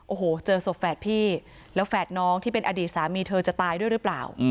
โอ้โหเจอศพแฝดพี่แล้วแฝดน้องที่เป็นอดีตสามีเธอจะตายด้วยหรือเปล่า